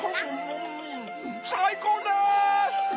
さいこうです！